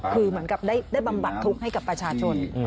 คือเหมือนกับได้บำบัดทุกข์ให้กับประชาชน